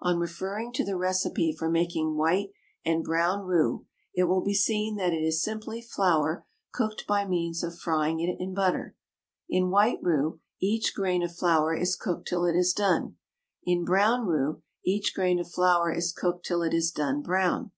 On referring to the recipe for making white and brown roux, it will be seen that it is simply flour cooked by means of frying it in butter, In white roux each grain of flour is cooked till it is done. In brown roux each grain of flour is cooked till it is done brown.